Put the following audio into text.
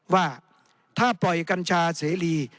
ว่าถ้าปล่อยกัญชาเสรี